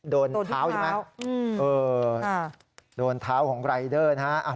โดนเท้าใช่ไหมโดนเท้าของรายเดอร์นะฮะ